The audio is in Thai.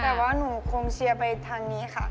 แต่ว่าหนูคงเชียร์ไปทางนี้ค่ะ